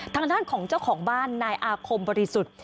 ทางด้านของเจ้าของบ้านนายอาคมบริสุทธิ์